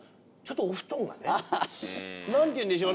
何ていうんでしょう。